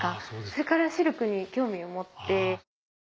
それからシルクに興味を持って。